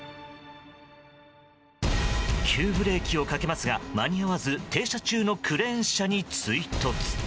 急ブレーキをかけますが間に合わず停車中のクレーン車に追突。